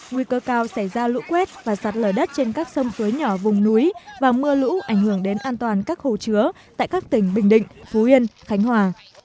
nguy cơ cao xảy ra lũ quét và sạt lở đất trên các sông suối nhỏ vùng núi và mưa lũ ảnh hưởng đến an toàn các hồ chứa tại các tỉnh bình định phú yên khánh hòa